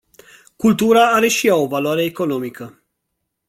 Cultura are și o valoare economică.